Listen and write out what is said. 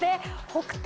北東？